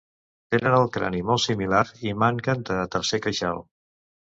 Tenen el crani molt similar i manquen de tercer queixal.